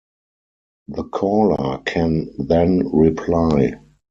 The caller can then reply.